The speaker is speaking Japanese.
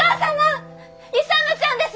勇ちゃんです！